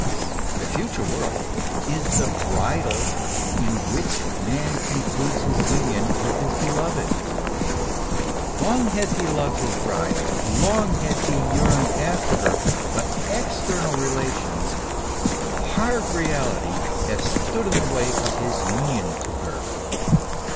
The future world is the bridal in which man concludes his union with his beloved. Long has he loved his bride, long has he yearned after her ; but external relations, hard reality, have stood in the way of his union to her.